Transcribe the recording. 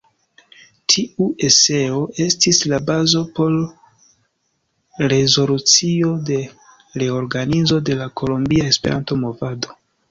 Tiu eseo estis la bazo por rezolucio de reorganizo de la Kolombia Esperanto-Movado.